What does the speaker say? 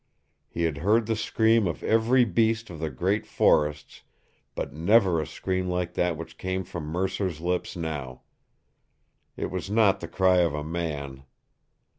He had heard the scream of every beast of the great forests, but never a scream like that which came from Mercer's lips now. It was not the cry of a man.